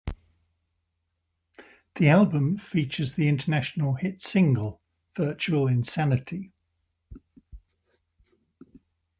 The album features the international hit single "Virtual Insanity".